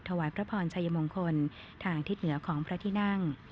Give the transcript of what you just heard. ถวายพระพรชัยมงคลทางทิศเหนือของพระที่นั่ง